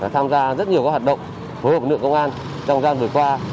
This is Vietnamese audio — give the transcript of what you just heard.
tham gia rất nhiều các hoạt động phối hợp với lực lượng công an trong gian vừa qua